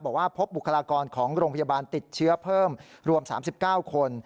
บอกว่าพบบุคลากรของโรงพยาบาลติดเชื้อเพิ่มรวม๓๙คน